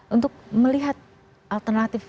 untuk melihat alternatif